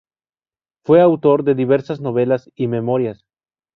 Fue autor de diversas novelas y memorias.